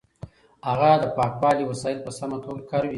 هغه د پاکوالي وسایل په سمه توګه کاروي.